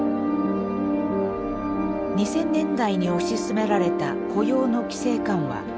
２０００年代に推し進められた雇用の規制緩和。